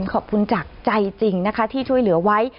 ขอบคุณจากใจจริงนะคะที่ช่วยเหลือไว้